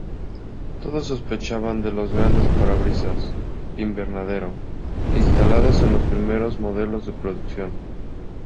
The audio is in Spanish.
Todos sospechaban de los grandes parabrisas "invernadero" instalados en los primeros modelos de producción.